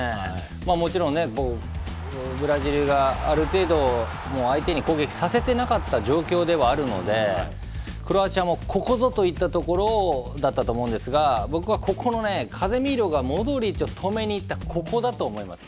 もちろんブラジルがある程度相手に攻撃させていなかった状況ではあるのでクロアチアも、ここぞといった所をだったと思うんですが僕はここのカゼミーロがモドリッチを止めにいったここだと思います。